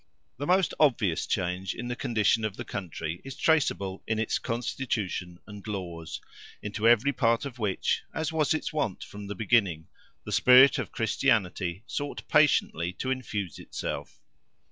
The most obvious change in the condition of the country is traceable in its constitution and laws, into every part of which, as was its wont from the beginning, the spirit of Christianity sought patiently to infuse itself.